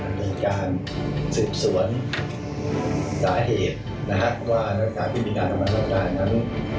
มันมีการสืบสวนหลายเหตุนะครับว่านักรักษาที่มีการทำนักรักษานั้นนะครับ